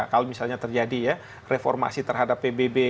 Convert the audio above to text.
kalau misalnya terjadi ya reformasi terhadap pbb